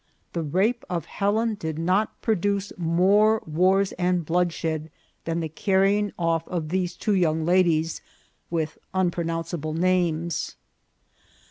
The rape of Helen did not produce more wars and bloodshed than the car rying off of these two young ladies with unpronounceable names.